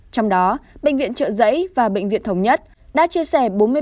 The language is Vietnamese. trong đó bệnh viện trợ giấy và bệnh viện thống nhất đã chia sẻ